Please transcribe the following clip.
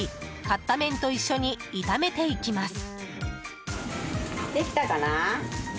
買った麺と一緒に炒めていきます。